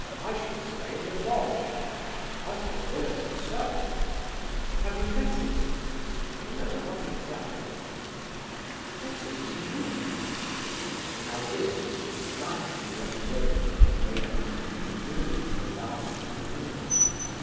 I shall stay in the lodge. As to the villa itself..." "Have you let it?" "N no—not exactly." "Let it to me," said the prince. Now this was precisely what Lebedeff had made up his mind to do in the last three minutes.